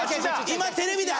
今テレビで。